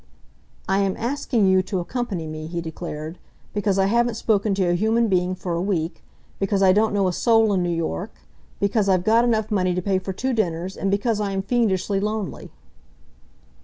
"I am asking you to accompany me," he declared, "because I haven't spoken to a human being for a week, because I don't know a soul in New York, because I've got enough money to pay for two dinners, and because I am fiendishly lonely."